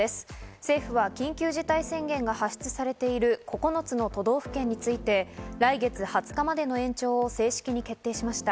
政府は緊急事態宣言が発出されている９つの都道府県について来月２０日までの延長を正式に決定しました。